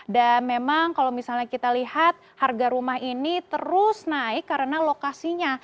memang kalau misalnya kita lihat harga rumah ini terus naik karena lokasinya